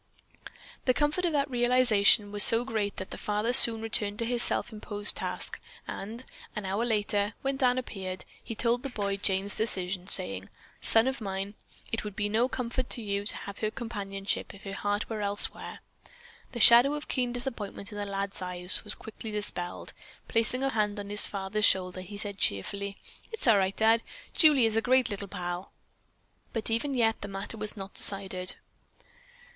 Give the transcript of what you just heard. The comfort of that realization was so great that the father soon returned to his self imposed task, and, an hour later, when Dan appeared, he told the boy Jane's decision, saying: "Son of mine, it would be no comfort to you to have her companionship if her heart were elsewhere." The shadow of keen disappointment in the lad's eyes was quickly dispelled. Placing a hand on his father's shoulder he said cheerfully, "It's all right, Dad. Julie is a great little pal." But even yet the matter was not decided.